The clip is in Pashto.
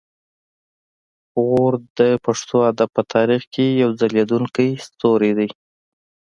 غور د پښتو ادب په تاریخ کې یو ځلیدونکی ستوری دی